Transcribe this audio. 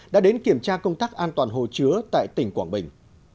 đã đến kiểm tra công tác an toàn hồ chứa tại tỉnh quảng bình